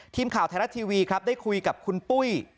ทีมข่าวไทยรัฐทีวีครับได้คุยกับคุณปุ้ย